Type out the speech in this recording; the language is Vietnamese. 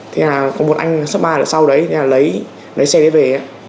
thế là có một anh sắp ba là sau đấy lấy xe đấy về